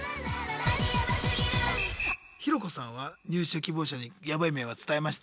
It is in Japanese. ヒロコさんは入社希望者にヤバい面は伝えました？